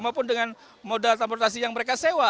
maupun dengan modal transportasi yang mereka sewa